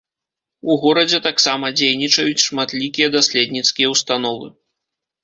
У горадзе таксама дзейнічаюць шматлікія даследніцкія ўстановы.